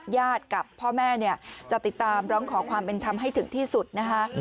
ญาติกับพ่อแม่เนี่ยจะติดตามร้องขอความเป็นธรรมให้ถึงที่สุดนะคะ